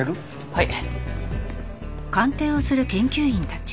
はい。